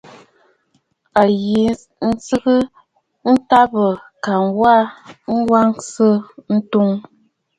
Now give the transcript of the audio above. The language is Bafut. A yi nstsɔʼɔ ŋkabə kaa waʼà wàŋsə̀ ǹtu.